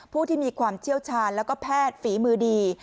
ผู้ที่มีความเชี่ยวชาญแล้วก็แพทย์ฝีมือดี